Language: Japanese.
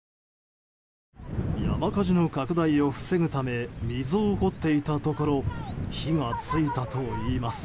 山火事の拡大を防ぐため溝を掘っていたところ火が付いたといいます。